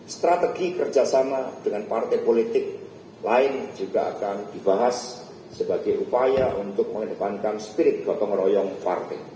strategi kerjasama dengan partai politik lain juga akan dibahas sebagai upaya untuk mengedepankan spirit gotong royong partai